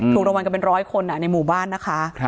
ถูกรางวัลกันเป็นร้อยคนในหมู่บ้านนะคะ